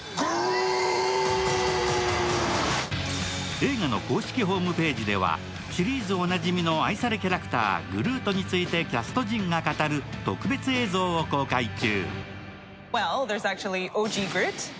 映画の公式ホームページではシリーズおなじみの愛されキャラクター・グルートについてキャスト陣が語る特別映像を公開中。